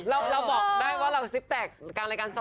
เราบอกได้ว่าเราซิปแตกกลางรายการสด